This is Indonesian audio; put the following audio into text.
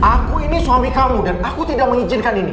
aku ini suami kamu dan aku tidak mengizinkan ini